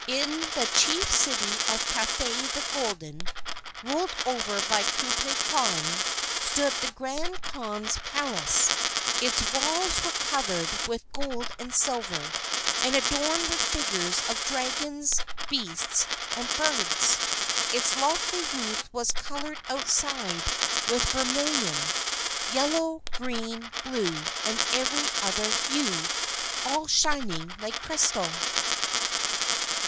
In the chief city of Cathay the Golden, ruled over by Kublai Khan, stood the Grand Khan's palace. Its walls were covered with gold and silver, and adorned with figures of dragons, beasts, and birds. Its lofty roof was coloured outside with vermilion, yellow, green, blue, and every other hue, all shining like crystal.